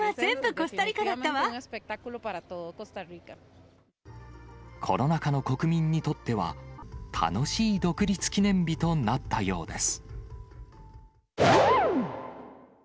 コロナ禍の国民にとっては、楽しい独立記念日となったようです。